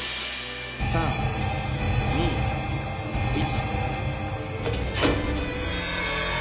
３２１。